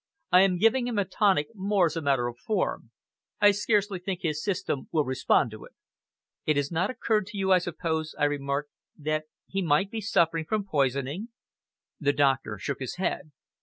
I am giving him a tonic, more as a matter of form. I scarcely think his system will respond to it!" "It has not occurred to you, I suppose," I remarked, "that he might be suffering from poisoning?" The doctor shook his head.